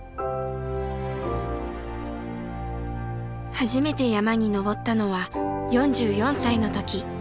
初めて山に登ったのは４４歳の時。